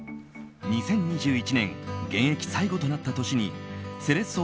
２０２１年現役最後となった年にセレッソ